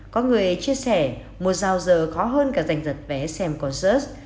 có người chia sẻ mùa giàu giờ khó hơn cả dành giật vé xem concert